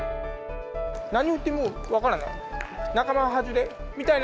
何を言っても分からない。